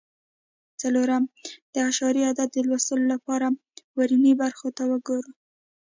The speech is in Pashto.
څلورم: د اعشاري عدد د لوستلو لپاره ورنیي برخو ته وګورئ.